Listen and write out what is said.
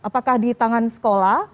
apakah di tangan sekolah